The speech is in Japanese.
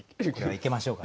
いきましょうか。